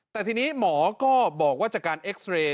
แต่ทีนี้หมอก็บอกว่าจากการเอ็กซ์เรย์